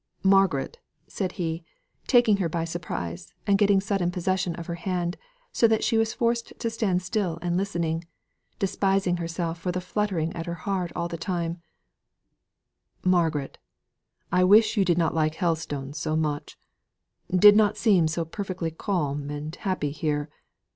"Margaret," said he, taking her by surprise, and getting sudden possession of her hand, so that she was forced to stand still and listen, despising herself for the fluttering at her heart all the time; "Margaret, I wish you did not like Helstone so much did not seem so perfectly calm and happy here.